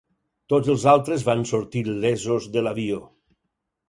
Tots els altres van sortir il·lesos de l'avió.